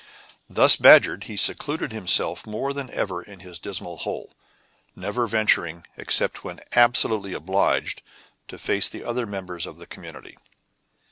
Thus badgered, he secluded himself more than ever in his dismal hole, never venturing, except when absolutely obliged, to face the other members of the community.